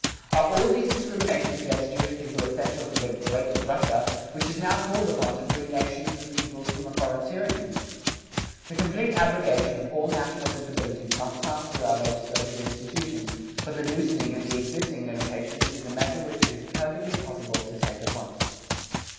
Are all these discriminations against Jewish people essential for the great Russia, which is now called upon to free nations and peoples from a foreign tyranny? The complete abrogation of all national disabilities must pass through our legislative institutions, but the loosening of the existing limitations is a measure which it is perfectly possible to take at once.